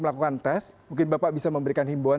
melakukan tes mungkin bapak bisa memberikan himbauan